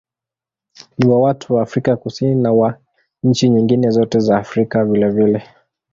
Ni wa watu wa Afrika Kusini na wa nchi nyingine zote za Afrika vilevile.